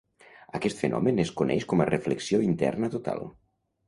Aquest fenomen es coneix com a reflexió interna total.